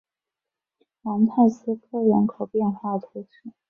蒙泰斯科人口变化图示